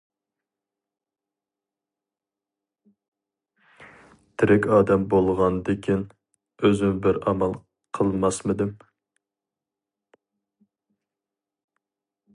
تىرىك ئادەم بولغاندىكىن ئۆزۈم بىر ئامال قىلماسمىدىم.